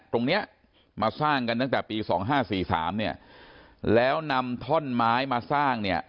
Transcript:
ตรงเนี้ยมาสร้างกันตั้งแต่ปี๒๕๔๓เนี่ยแล้วนำท่อนไม้มาสร้างเนี่ย